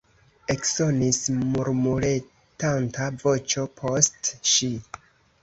Eksonis murmuretanta voĉo post ŝi.